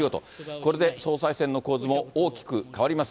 これで総裁選の構図も大きく変わります。